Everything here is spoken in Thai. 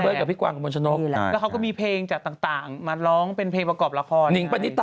อยู่กับคู่กรรมเหรอคู่กรรมไง